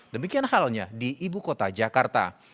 demikian halnya di ibu kota jakarta